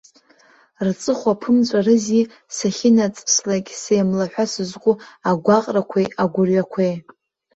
Рҵыхәа ԥымҵәарызи сахьынаҵыслак сеимлаҳәа сызку агәаҟрақәеи агәырҩақәеи!